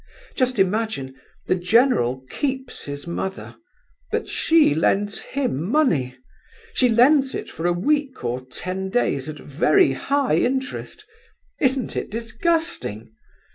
Just imagine—the general keeps his mother—but she lends him money! She lends it for a week or ten days at very high interest! Isn't it disgusting?